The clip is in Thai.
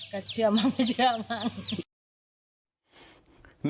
ก็เชื่อบ้างไม่เชื่อบ้าง